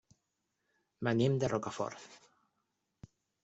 Venim de Rocafort.